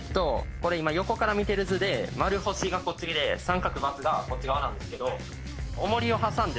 これ今横から見てる図で「●」「★」がこっちで「▲」「×」がこっち側なんですけど。